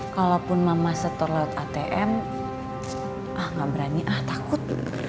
kalaupun mama setor laut atm ah nggak berani ah takut